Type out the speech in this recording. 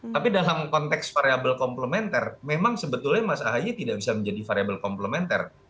tapi dalam konteks variable komplementer memang sebetulnya mas ahaye tidak bisa menjadi variable komplementer